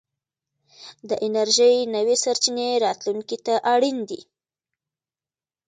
د انرژۍ نوې سرچينې راتلونکي ته اړين دي.